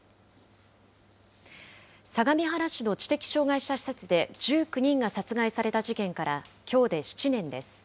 相模原市の知的障害者施設で１９人が殺害された事件からきょうで７年です。